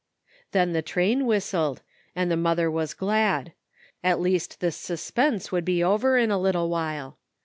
Then the train whistled, and the mother was glad ; at least this suspense would be over in a little while.